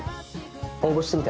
応募してみたら？